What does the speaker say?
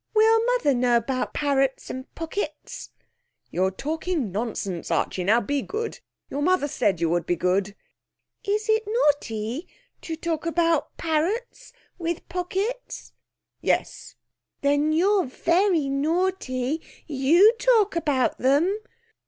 'Will mother know about parrots and pockets?' 'You're talking nonsense, Archie. Now be good. Your mother said you would be good.' 'Is it naughty to talk about parrots with pockets?' 'Yes.' 'Then you're very naughty. You talk about them.'